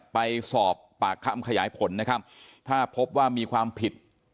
ไปสอบปากคำขยายผลนะครับถ้าพบว่ามีความผิด